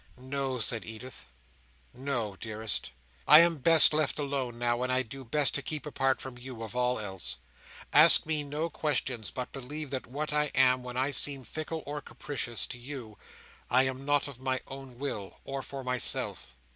"No," said Edith, "no, dearest. I am best left alone now, and I do best to keep apart from you, of all else. Ask me no questions, but believe that what I am when I seem fickle or capricious to you, I am not of my own will, or for myself.